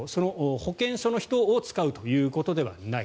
保健所の人を使うということではない。